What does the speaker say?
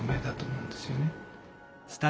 うん。